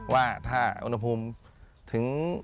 ว่าถ้าอุณหภูมิถึง